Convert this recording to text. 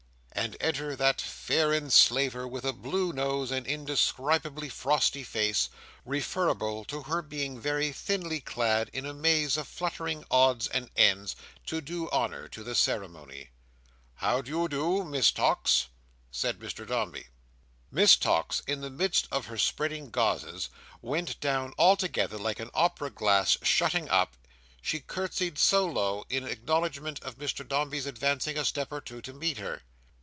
And enter that fair enslaver, with a blue nose and indescribably frosty face, referable to her being very thinly clad in a maze of fluttering odds and ends, to do honour to the ceremony. "How do you do, Miss Tox?" said Mr Dombey. Miss Tox, in the midst of her spreading gauzes, went down altogether like an opera glass shutting up; she curtseyed so low, in acknowledgment of Mr Dombey's advancing a step or two to meet her.